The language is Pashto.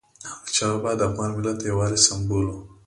احمدشاه بابا د افغان ملت د یووالي سمبول و.